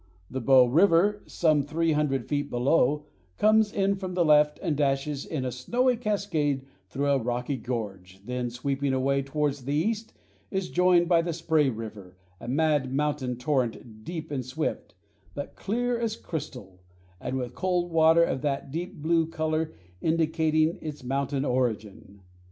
The Bow River, some three hundred feet below, comes in from the left and dashes in a snowy cascade through a rocky gorge, then, sweeping away towards the east, is joined by the Spray River, a mad mountain torrent deep and swift, but clear as crystal, and with cold water of that deep blue color indicating its mountain origin.